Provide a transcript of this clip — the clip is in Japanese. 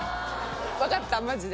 わかったマジで。